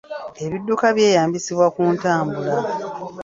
Ebidduka byeyambisibwa ku ntambula.